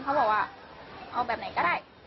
เขาบอกว่าเอาแบบไหนก็ได้